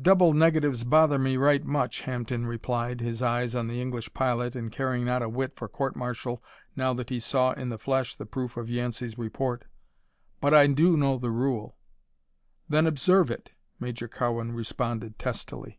"Double negatives bother me right much," Hampden replied, his eyes on the English pilot and caring not a whit for court martial now that he saw in the flesh the proof of Yancey's report, "but I do know the rule." "Then observe it," Major Cowan responded, testily.